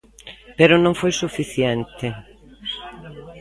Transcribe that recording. Pero non foi suficiente.